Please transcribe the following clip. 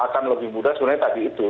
akan lebih mudah sebenarnya tadi itu